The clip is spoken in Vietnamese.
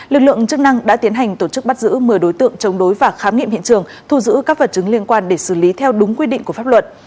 lực lượng chức năng đã tiến hành tổ chức bắt giữ một mươi đối tượng chống đối và khám nghiệm hiện trường thu giữ các vật chứng liên quan để xử lý theo đúng quy định của pháp luật